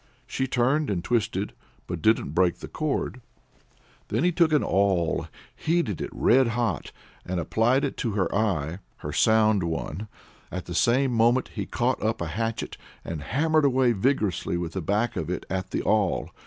She turned and twisted, but didn't break the cord. Then he took an awl, heated it red hot, and applied it to her eye her sound one. At the same moment he caught up a hatchet, and hammered away vigorously with the back of it at the awl.